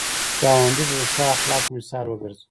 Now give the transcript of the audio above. ګاونډي ته د ښه اخلاقو مثال وګرځه